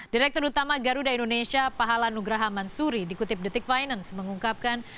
direktur utama garuda indonesia pahala nugraha mansuri dikutip detik finance mengungkapkan